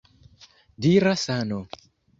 Dira Sano!